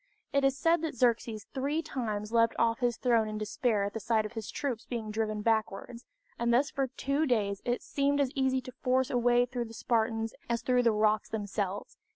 It is said that Xerxes three times leapt off his throne in despair at the sight of his troops being driven backwards; and thus for two days it seemed as easy to force a way through the Spartans as through the rocks themselves.